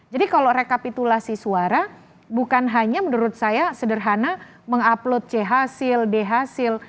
jadi kalau rekapitulasi suara bukan hanya menurut saya sederhana mengupload c hasil d hasil